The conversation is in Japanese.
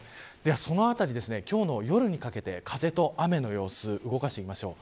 そのあたり、今日の夜にかけて風と雨の様子動かしてみましょう。